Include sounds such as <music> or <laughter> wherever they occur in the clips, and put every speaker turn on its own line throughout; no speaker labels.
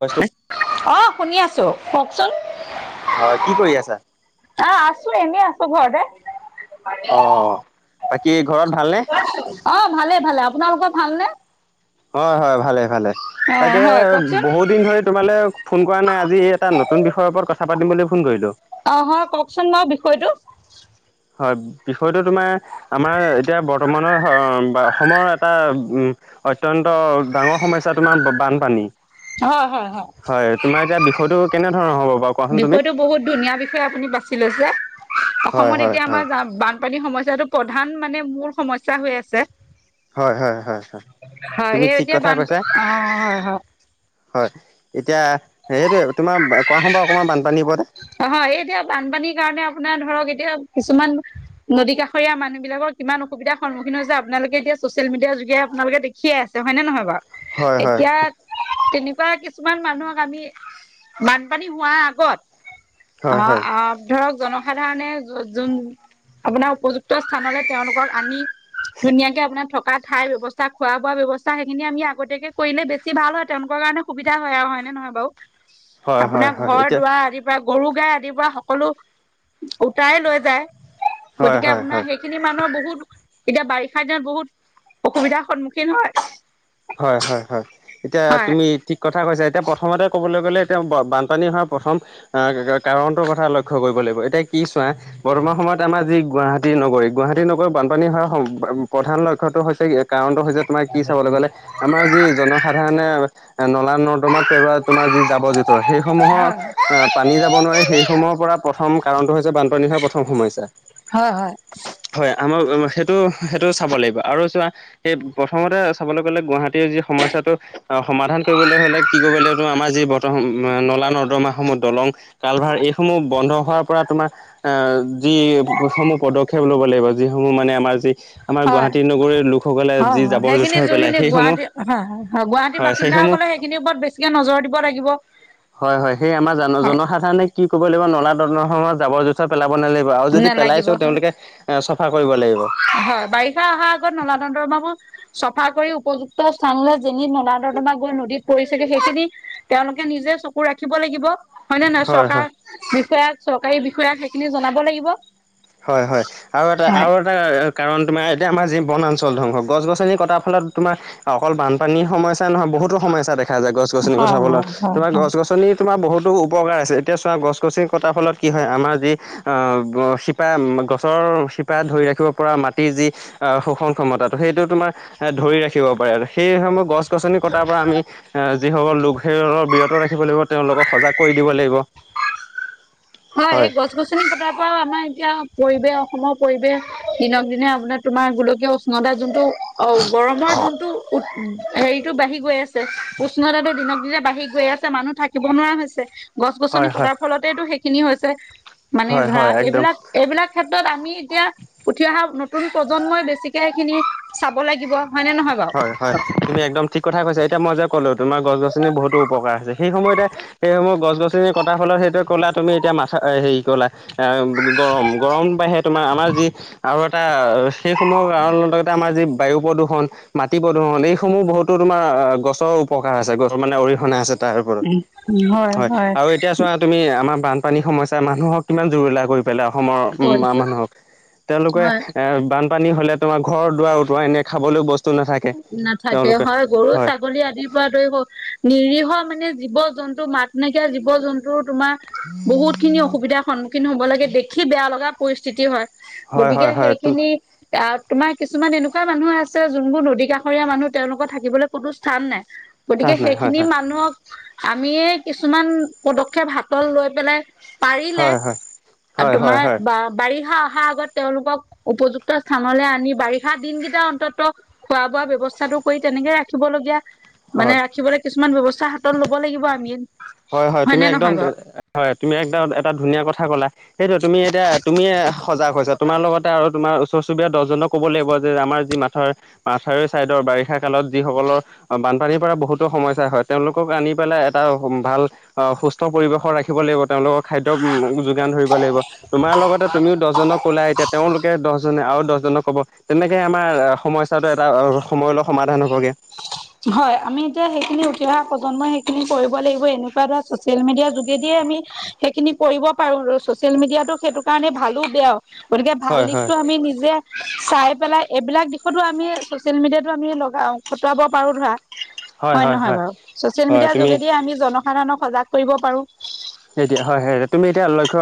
কচু <unintelligible>
অ, শুনি আছো কওকচোন?
অ, কি কৰি আছা?
আ, আছো এনেই আছো ঘৰতে।
অ, বাকী ঘৰত ভালনে?
অ, ভালে - ভালে, আপোনালোকৰ ভালনে?
হয় - হয় ভালে - ভালে,
অ
তাকে
হয় কওকচোন
বহুত দিন ধৰি তোমালে ফোন কৰা নাই আজি এই এটা নতুন বিষয়ৰ ওপৰত কথা পাতিম বুলি ফোন কৰিলো।
অ, হয় কওকচোন বাৰু বিষয়টো?
হয় বিষয়টো তোমাৰ আমাৰ এতিয়া বৰ্তমানৰ বা অসমৰ এটা উম, অত্যন্ত ডাঙৰ সমস্যা তোমাৰ বানপানী।
হয়-হয়-হয়।
হয় তোমাৰ এতিয়া বিষয়টো কেনেধৰণৰ হ'ব বাৰু? কোৱাচোন তুমি?
বিষয়টো বহুত ধুনীয়া বিষয়ে আপুনি বাছি লৈছে
হয়
অসমত
হয়
এতিয়া
হয়
আমাৰ বানপানী সমস্যাটো প্ৰধান মানে মূল সমস্যা হৈ আছে।
হয় হয় হয় হয়
হয়
তুমি
সেই
ঠিক
এতিয়া
কথা
বানপ
কৈছা
অ, হয়-হয়।
হয় এতিয়া সেইটোৱে তোমাৰ কোৱা ফোন বাৰু অকণমান বানপানীৰ ওপৰতে
অ, এই এতিয়া বানপানীৰ কাৰণে আপোনাৰ ধৰক এতিয়া কিছুমান নদীকাষৰীয়া মানুহবিলাকৰ কিমান অসুবিধাৰ সন্মুখীন হৈছে আপোনালোকে এতিয়া চচিয়েল মিডিয়া যোগে আপোনালোকে দেখিয়ে আছে হয়নে নহয় বাৰু
হয় হয়
এতিয়া তেনেকুৱা কিছুমান মানুহক আমি বানপানী হোৱাৰ আগত
হয়
অ,
হয়।
ধৰক জনসাধাৰণে যোন আপোনাৰ উপযুক্ত স্থানলৈ তেওঁলোকক আনি ধুনীয়াকে আপোনাৰ থকা ঠাইৰ ব্যৱস্থা খোৱা বোৱা ব্যৱস্থা সেইখিনি আমি আগতীয়াকে কৰিলে বেছি ভাল হয় তেওঁলোকৰ কাৰণে সুবিধা হয় হয় নে নহয় বাৰু,
হয় হয়
আপোনাৰ
হয়
ঘৰ
এতিয়া
দুৱাৰ আদি গৰু গাই আদিৰ পৰা সকলো উটাই লৈ যায়
হয়
গতিকে
হয় হয়
আপোনাৰ সেই খিনি মানুহৰ বহুত এতিয়া বাৰিষা দিনত বহুত অসুবিধাৰ সন্মুখীন হয়।
হয় হয় হয় এতিয়া
হয়
তুমি ঠিক কথা কৈছে এতিয়া প্ৰথমতে ক'বলৈ গ'লে এতিয়া বানপানী হোৱাৰ প্ৰথম কাৰণ কথা লক্ষ্য কৰিব লাগিব। এতিয়া কি চোৱা বৰ্তমান সময়ত আমাৰ যি গুৱাহাটী নগৰী গুৱাহাটী নগৰৰত বানপানী হোৱাৰ প্ৰধান লক্ষ্যটো হৈছে এক কাৰণটো হৈছে তোমাৰ কি চাবলৈ গ'লে আমাৰ যি জনসাধাৰণে নলা নৰ্দমাত পেলোৱা তোমাৰ যি জাৱৰ জোঁথৰ সেইসমূহৰ আহ পানী যাব নোৱাৰে সেইসমূহৰ পৰা প্ৰথম কাৰণটো হৈছে বান পানীৰ হোৱাৰ প্ৰথম সমস্যা।
হয় হয়।
হয় আমাৰ সেইটো সেইটো চাব লাগিব আৰু চোৱা সেই প্ৰথমতে চাবলে গ'লে গুৱাহাটীৰ যি সমস্যাটো অ সমাধান কৰিবলৈ হলে কি কৰিব লাগিব আমাৰ যি বৰ্তমান নলা নৰ্দৰম সমূহ দলং কালভাৰ এইসমূহ বন্ধ হোৱাৰ পৰা তোমাৰ আহ যি সমূহ পদক্ষেপ ল'ব লাগিব, যিসমূহ মানে আমাৰ যি আমাৰ
হয়
গুৱাহাটী নগৰীৰ লোকসকলে
হয়
যি
হয়
জাবৰ
সেইখিনি
জোঁথৰ পেলাই
যোনখিনি
সেইসমূহ
গুৱাহাটী হয় হয় গুৱাহাটীৰ বাসিন্দাসকলে সেইখিনিৰ ওপৰত বেছিকে নজৰ দিব লাগিব।
হয় হয় সেই আমাৰ জন
হয়
জনসাধাৰণে কি কৰিব লাগিব নলা নৰ্দমা সমূহত জাবৰ জোথৰ পেলাব নালাগিব। আৰু যদি
নেলাগিব
পেলাইছেও
হয়
তেওঁলোকে এ চাফা কৰিব লাগিব।
হয় বাৰিষা অহাৰ আগত নলা নৰ্দমা বোৰ চফা কৰি উপযুক্ত স্থানলৈ যেনি নলা নৰ্দমা গৈ নদীত পৰিছেগে সেইখিনি তেওঁলোকে নিজে চকু ৰাখিব লাগিব। হয় নে নহয় নহয় চৰকাৰ বিষয়াক চৰকাৰী বিষয়াক সেইখিনি জনাব লাগিব।
হয় হয় আৰু এটা
হয়
আৰু এটা কাৰণ তোমাৰ এতিয়া আমাৰ যি বনাঞ্চল ধ্বংস গছ গছনি কটাৰ ফলত তোমাৰ অকল বানপানীৰ সমস্যা নহয় বহুতো সমস্যা দেখা যায় গছ গছনি কটা
হয় হয়
ফলত।
হয়
তোমাৰ
হয়
গছ গছনিত তোমাৰ বহুতো উপকাৰ আছে এতিয়া চোৱা গছ গছনি কটাৰ ফলত কি হয় আমাৰ যি গছৰ শিপা ধৰি ৰাখিব পৰা মাটিৰ যি শোষণ ক্ষমতাটো সেইটো তোমাৰ এ ধৰি ৰাখিব পাৰে আৰু। সেইসমূহ গছ গছনি কটাৰ পৰা আমি এ যিসকল লোক সেইসকলক বিৰত ৰাখিব লাগিব তেওঁলোকক সজাগ কৰি দিব লাগিব।
হয় এই গছ গছনি কটাৰ পৰাও আমাৰ এতিয়া পৰিৱেশ অসমৰ পৰিৱেশ দিনক দিনে আপোনাৰ তোমাৰ গোলকীয় উষ্ণতা যোনটো অ গৰমৰ যোনটো উ হেৰিটো বাঢ়ি গৈ আছে উষ্ণতাটো দিনক দিনে বাঢ়ি গৈ আছে মানুহ থাকিব নোৱাৰা হৈছে। গছ গছনি
হয় হয়।
কটাৰ ফলতেটো সেইখিনি হৈছে। মানে
হয়
ধৰা
হয় একদম
এইবিলাক এইবিলাক ক্ষেত্ৰত আমি এতিয়া উঠি অহা নতুন প্ৰজন্মই বেছিকে সেইখিনি চাব লাগিব হয় নে নহয় বাৰু।
হয় হয় তুমি একদম ঠিক কথা কৈছা এতিয়া মই যে ক'লো তোমাৰ গছ গছনিৰ বহুতো উপকাৰ আছে সেই সময়তে সেইসমূহ গছ গছনি কটাৰ ফলত সেইটো কলা তুমি এতিয়া মাথা হেৰি কলা। গৰম গৰম বাঢে তোমাৰ আমাৰ যি আৰু এটা সেইসমূহ কাৰ লগতে আমাৰ যি বায়ু প্ৰদূষণ, মাটি প্ৰদূষণ এইসমূহ বহুতো তোমাৰ গছৰ উপকাৰ আছে গছৰ মানে অৰিহণা আছে তাৰ ওপৰত। হয় আৰু এতিয়া চোৱা তুমি আমাৰ বানপানী সমস্যা মানুহক কিমান জুৰুলা কৰিব ধৰি অসমৰ মানুহক। তেওঁলোকে
হয়
এ বানপানী হলে তোমাৰ ঘৰ দুৱাৰ উটোৱাই নিয়ে খাবলৈও বস্তু নাথাকে
নাথাকে হয় গৰু ছাগলী আদি উতয়িব, নিৰীহ মানে জীৱ জন্তু মাত নাইকিয়া জীৱ জন্তু তোমাৰ
<inaudible>
বহুতখিনি অসুবিধাৰ সন্মুখীন হ'ব লাগে দেখি বেয়া লগা পৰিস্থিতি হয়।
হয়
গতিকে
হয় হয়
সেইখিনি আহ তোমাৰ কিছুমান এনেকুৱা মানুহ আছে যোনবোৰ নদী কাষৰীয়া মানুহ তেওঁলোকৰ থাকিবলৈ কোনো স্থান নাই
চান্স
গতিকে
নাই হয়
সেইখিনি
হয়
মানুহক আমিয়ে কিছুমান পদক্ষেপ হাতত লৈ পেলাই পাৰিলে
হয় হয়
আৰু
হয় হয়
তোমাৰ
হয়
বা বাৰিষা অহাৰ আগত তেওঁলোকক উপযুক্ত স্থানলৈ আনি বাৰিষা দিনকেইটা অন্তত খোৱা বোৱা ব্যয়ৱস্থাটো কৰি তেনেকে ৰাখিবলগীয়া
হয়
মানে ৰাখিবলৈ কিছুমান ব্যৱস্থা হাতত ল'ব লাগিব আমি।
হয় - হয় তুমি
হয়নে
একদম
নহয় বাৰু?
হয় তুমি একদম এটা ধুনীয়া কথা ক'লা। সেইটো তুমি এতিয়া তুমিে সজাগ হৈছো তোমাৰ লগতে আৰু তোমাৰ ওচৰ চুবুৰীয়া দহজনক ক'ব লাগিব যে আমাৰ যি মাথা মাথাউ ছাইডৰ বাৰিষা কালত যিসকলৰ অ, বানপানীৰ পৰা বহুতো সমস্যা হয় তেওঁলোকক আনি পেলাই এটা ভাল সুস্থ পৰিৱেশৰ ৰাখিব লাগিব তেওঁলোকৰ খাদ্য যোগান ধৰিব লাগিব। তোমাৰ লগতে তুমিও দহজনক ওলা এতিয়া তেওঁলোকে দহজনে আৰু দহজনক কব। তেনেকে আমাৰ সমস্যাটো এটা সময়লৈ সমাধান হ'বগে।
হয় আমি এতিয়া সেইখিনি উঠি অহা প্ৰজন্মই সেইখিনি কৰিব লাগিব এনেকুৱা ধৰা চচিয়েল মিডিয়াৰ যোগেদিয়ে আমি সেইখিনি কৰিব পাৰো ছচিয়েল মিডিয়াটো সেইটো কাৰণে ভালো বেয়া। গতিকে ভাল
হয় হয়
দিশটো আমি নিজে চাই পেলাই এইবিলাক দিশতো আমি চচিয়েল মিডিয়াতো আমি লগা খটুৱাব পাৰো ধৰা হয় নহয় বাৰু ছচিয়েল
হয়
মিডিয়াৰ
তুমি
যোগেদিয়ে আমি জনসাধাৰণক সজাগ কৰিব পাৰো।
সেইতিয়া হয় হয় তুমি এতিয়া লক্ষ্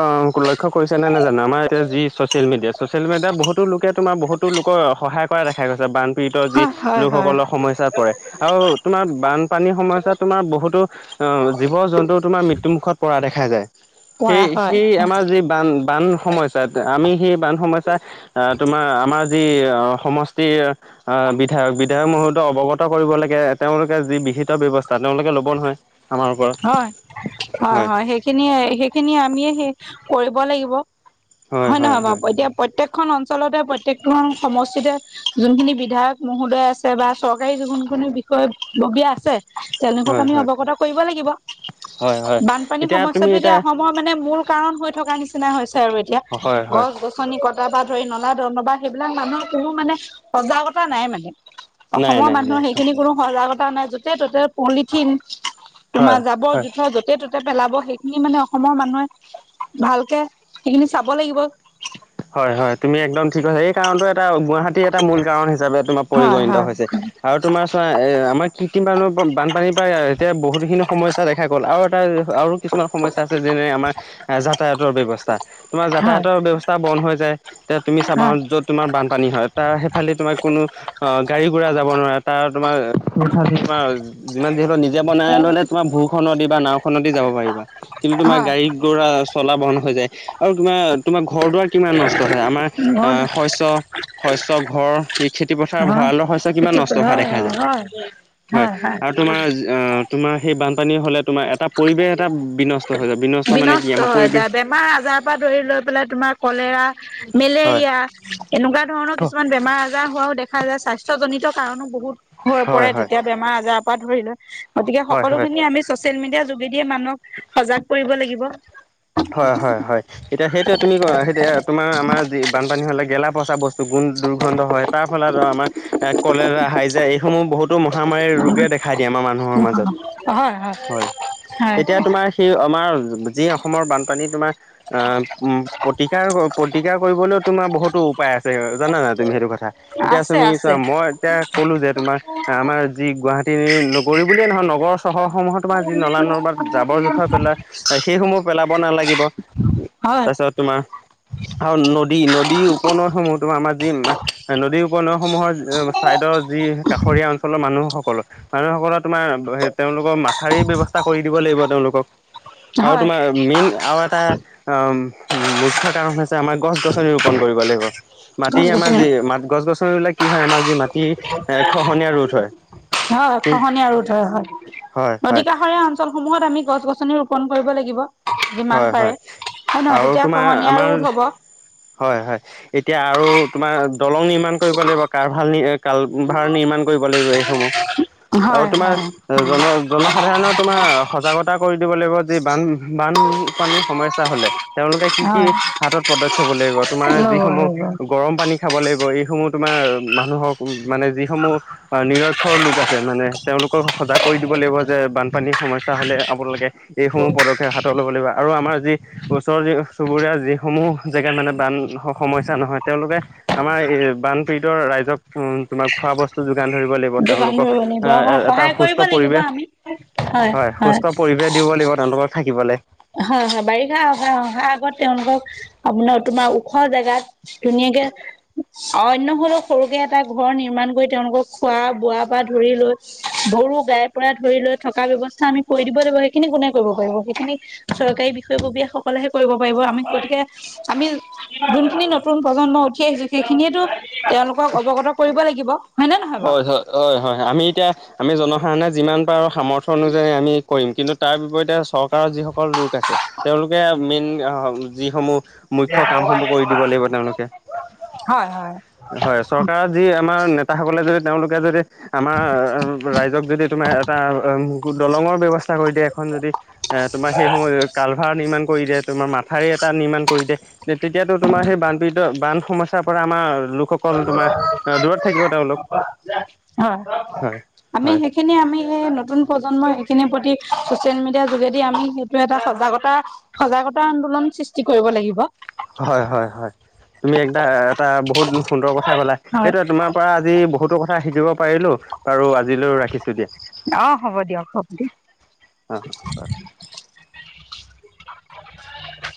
লক্ষয় কৰিছ নে - নে জানো আমাৰ এতিয়া যি চচিয়েল মিডিয়া ছ'চিয়েল মিডিয়াত বহুতো লোকে তোমাৰ বহুতো লোকৰ সহায় কৰা দেখা গৈছে বান পীড়িত যি
হয় হয় হয়
লোকসকলৰ সমস্যাত পৰে আৰু তোমাৰ বানপানীৰ সমস্যাত তোমাৰ বহুতো জীৱ জন্তু তোমাৰ মৃত্যুমুখত পৰা দেখা যায়। সেই
পৰা
-
হয়
সেই আমাৰ যি বান - বান সমস্যা আমি সেই বান সমস্যা আহ তোমাৰ আমাৰ যি সমষ্টিৰ আহ বিধায়ক বিধায়ক মহোদয় অৱগত কৰিবলৈকে তেওঁলোকে যি বিহিত ব্যৱস্থা তেওঁলোকে ল'ব নহয়। আমাৰ পৰা
হয়-হয়-হয় সেইখিনি-সেইখিনি আমিয়ে সেই কৰিব লাগিব। হয় নহয় বাৰু এতিয়া প্ৰত্যেকখন অঞ্চলতে প্ৰত্যেকখন সমষ্টিতে যোনখিনি বিধায়ক মহোদয় আছে বা চৰকাৰী যোনখিনিৰ বিষয়ববীয়া আছে। তেওঁলোকক
হয়
আমি
হয়
অবগত কৰিব লাগিব
হয় হয়
বানপানীৰ
এতিয়া তুমি
সমস্যাটো এতিয়া অসমত মানে মূল কাৰণ হৈ থকা নিচিনা হৈছে আৰু এতিয়া
হয় হয়
গছ নি কটা বা ধৰি নলা ধনবা সেইবিলাক মানুহৰ কোনো মানে সজাগতা নাই মানে।
নাই
অসমৰ
নাই নাই
মানুহৰ
হয়
সেইখিনি কোনো সজাগতা নাই য'তে ত'তে পলিথিন
হয়
তোমাৰ যাব
হয়
জোথৰ য'তে - ততে পেলাব সেইখিনি মানে অসমৰ মানুহে ভালকে সেইখিনি চাব লাগিব।
হয় - হয় তুমি একদম ঠিক কৈছা এই কাৰণটো এটা গুৱাহাটীৰ এটা মূল কাৰণ হিচাপে তোমাৰ
হয়
পৰিগণিত
হয়
হৈছে। আৰু তোমাৰ আমাৰ কৃত্ৰিমফালৰ পৰা বানপানীৰ পৰা এতিয়া বহুতখিনি সমস্যা দেখা গ'ল আৰু এটা আৰু কিছুমান সমস্যা আছে যেনে আমাৰ যাতায়াতৰ ব্যৱস্থা তোমাৰ
হয়
যাতায়াতৰ ব্যৱস্থা বন্ধ হৈ যায় তেতিয়া তুমি চাবা
হয়
য'ত তোমাৰ বানপানী হয় তাৰ সেইফালে তোমাৰ কোনো অ, গাড়ী ঘোৰা যাব নোৱাৰে তাৰ তোমাৰ যিমান যিহেতু যাব নাই ললে তোমাৰ ভূ খত বা নাওখন নদী যাব পাৰিবা। কিন্তু তোমাৰ
হয়
গাড়ী ধৰা চলা বন হৈ যায় আৰু তোমাৰ ঘৰ দুৱাৰ কিমান নষ্ট হয়। আমাৰ শস্য - শস্য ঘৰ খেতি পথাৰ ভঁৰালৰ শস্য
বহুত
কিমান নষ্ট হোৱা দেখা
হয়
যায়।
হয়
হয় আৰু তোমাৰ তোমাৰ সেই বানপানী হ'লে তোমাৰ এটা পৰিৱেশ এটা বিনষ্ট হৈ যায়। বিনষ্ট মানে কি আমাৰ
হৈ
পৰিৱেশ
যায় বেমাৰ আজাৰৰ পৰা ধৰি লৈ পেলাই তুমাৰ কলেৰা
হয়
মেলেৰিয়া এনেকুৱা ধৰণৰ কিছুমান বেমাৰ আজাৰ হোৱাও দেখা যায়। স্বাস্থ্যজনিত কাৰণো বহুত হৈ পৰে।
হয় হয়
তেতিয়া বেমাৰ আজাৰৰ পৰা ধৰি লোৱা গতিকে
হয় হয়
সকলোখিনি আমি ছ'চিয়েল‌‌ মিডিয়া যোগে যোগেদিয়ে মানুহক সজাগ কৰিব লাগিব।
হয় হয় হয়। এতিয়া সেইটোৱে তুমি সেইটো তোমাৰ আমাৰ যি বানপানী হ'লে গেলা পচা বস্তু গুণ দুৰ্গন্ধ হয় তাৰ ফলত আমাৰ এ কলেৰা হাইজা এইসমূহ বহুত তো মহামাৰীৰ ৰোগে দেখাই দিয়ে আমাৰ মানুহৰ মাজত
হয়
হয়
হয়
এতিয়া
হয়
তোমাৰ সেই আমাৰ যি অসমৰ বানপানী তোমাৰ আ উম প্ৰতিকাৰ প্ৰতিকাৰ কৰিবলৈও তোমাৰ বহুতো উপায় আছে। জানা তুমি সেইটো কথা এতিয়া
আছে
তুমি চোৱা
আছে
মই এতিয়া কলোঁ যে তোমাৰ আমাৰ যি গুৱাহাটী নগৰী বুলিয়ে নহয় নগৰৰ চহৰসমূহত তোমাৰ যি নলা নৰ্দমাত জাবৰ জোথৰ পেলাই সেইসমূহ পেলাব নালাগিব।
হয়
তাৰপিছত তোমাৰ আৰু নদী নদী উপনৈসমূহ তোমাৰ আমাৰ যি মা নদী উপনৈসমূহৰ চাইডৰ যি কাষৰীয়া অঞ্চলৰ মানুহসকলৰ মানুহসকলৰ তোমাৰ তেওঁলোকৰ মাথাউৰি ব্যৱস্থা কৰি দিব লাগিব। তেওঁলোকক আৰু
হয়
তোমাৰ মেইন আৱ এটা, আহ--মুখ্য কাৰণ হৈছে আমাৰ গছ। -গছনি ৰোপণ কৰিব লাগিব। মাটি
গছ
আমাৰ
গছনি
যি মাত গছ- গছনি ৰুলে কি হয় আমাৰ যি মাটি এহ খহনীয়া ৰোধ হয়।
হয় খহনীয়া ৰোধ হয় হয়।
হয়
নদী
হয়
কাষৰী সমূহত আমি গছ গছনি ৰোপন কৰিব লাগিব। যিমান
হয়
পাৰে
হয়
হয় নহয়।
আৰু
তেতিয়া
তোমাৰ
খহনীয়া
আমাৰ
ৰোধ হব।
হয় হয়। এতিয়া আৰু তোমাৰ দলং নিৰ্মাণ কৰিব লাগিব। কাৰভাল নি কালভাৰ নিৰ্মাণ কৰিব লাগিব এইসমূহ আৰু
হয়
তোমাৰ
হয়
জন জনসাধাৰণৰ তোমাৰ সজাগত তা কৰি দিব লাগিব যি বান বানপানীৰ সমস্যা হলে তেওঁলোকে কি কি
হয়
হাতত পদক্ষেপ লাগিব। তোমাৰ
ল'ব
যিসমূহ
ল'ব
গৰম পানী খাব লাগিব। এইসমূহ তোমাৰ মানুহক মানে যিসমূহ অ নিৰক্ষৰ লোক আছে। মানে তেওঁলোকক সজাগ কৰি দিব লাগিব। যে বানপানীৰ সমস্যা হলে আপোনালোকে এইসমূহ পদক্ষেপ হাতত ল'ব লাগিব। আৰু আমাৰ যি ওচৰৰ যি চুবুৰীয়া যিসমূহ জেগাত মানে বান সমস্যা নহয় তেওঁলোকে আমাৰ এ বানপীড়িতৰ ৰাইজক উম তোমাৰ খোৱা বস্তু যোগান ধৰিব লাগিব।
যোগান
তেওঁলোকক
ধৰিব লাগিব
এ
হয়
এটা
সহায়
সুস্থ
কৰিব লাগিব
পৰিৱেশ
আমি হয়
হয়। সুস্থ পৰিৱেশ। দিব লাগিব তেওঁলোকক থাকিবলে
হয় হয় বাৰিষা অহা অহা আগত তেওঁলোকক আপোনাৰ তোমাৰ ওখ জেগাত ধুনীয়াকে অইন হলেও সৰুকে এটা ঘৰ নিৰ্মাণ কৰি তেওঁলোকক খোৱা বোৱাৰ পৰা ধৰি লৈ গৰু গাই পৰা ধৰি লৈ থকা ব্যৱস্থা আমি কৰি দিব লাগিব। সেইখিনি কোনে কৰিব পাৰিব সেইখিনি চৰকাৰী বিষয়ববীয়া সকলেহে কৰিব পাৰিব আমি গতিকে আমি যোনখিনি নতুন প্ৰজন্ম উঠি আহিছো সেইখিনিয়েতো তেওঁলোকক অৱগত কৰিব লাগিব। নে নহয় বাৰু
হয়, হয়, হয়, হয় আমি এতিয়া আমি জনসাধাৰণে যিমান পাৰো সামৰ্থ অনুযায়ী আমি কৰিম। কিন্তু, তাৰ বিপৰীতে চৰকাৰৰ যিসকল লোক আছে তেওঁলোকে মেইন আ যিসমূহ মুখ্য কামসমূহ কৰি দিব লাগিব তেওঁলোকে
হয় হয়
হয়, চৰকাৰৰ যি আমাৰ নেত তাসকলে যদি তেওঁলোকে যদি আমাৰ ৰাইজক যদি তোমাৰ এটা দলঙৰ ব্যৱস্থা কৰি দিয়া এখন যদি এ, তোমাৰ সেই সময় কালভাৰ নিৰ্মাণ কৰি দিয়ে, তোমাৰ মাথাউৰি এটা নিৰ্মাণ কৰি দিয়ে। তে তেতিয়াতো তোমাৰ সেই বানপীড়িত বান সমস্যাৰ পৰা আমাৰ লোকসকল তোমাৰ দূৰত থাকিব তেওঁলোক
যা হয় আমি সেই সেইখিনি আমি এই নতুন প্ৰজন্মই সেইখিনিৰ প্ৰতি চচিয়েল মিডিয়াৰ যোগেদি আমি সেইটো এটা সজাগতা সজাগতা আন্দোলন সৃষ্টি কৰিব লাগিব।
হয়, হয়, হয় তুমি একটা এটা বহুত সুন্দৰ কথা কলা
হয়
সেইটোৱে তোমাৰ পৰা আজি বহুতো কথা শিকিব পাৰিলো বাৰু আজিলৈ ৰাখিছো দিয়া।
অ, হ'ব দিয়ক হ'ব দিয়
অহ।
<unintelligible>